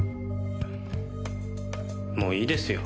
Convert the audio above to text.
もういいですよ